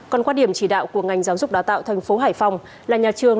còn quan điểm chỉ đạo của ngành giáo dục đào tạo thành phố hải phòng là nhà trường